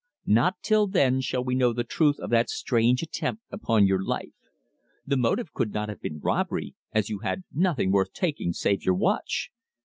Not till then shall we know the truth of that strange attempt upon your life. The motive could not have been robbery, as you had nothing worth taking save your watch.